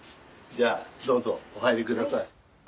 じゃあどうぞお入り下さい。